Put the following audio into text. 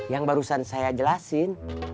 yang barusan saya jelasin